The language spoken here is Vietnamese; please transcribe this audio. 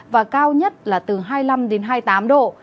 và cao nhất là từ hai mươi năm đến hai mươi tám độ